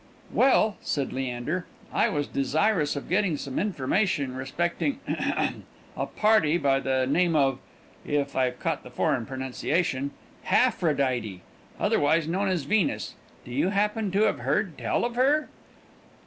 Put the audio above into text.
"Well," said Leander, "I was desirous of getting some information respecting ahem a party by the name of (if I've caught the foreign pronounciation) Haphrodite, otherwise known as Venus. Do you happen to have heard tell of her?"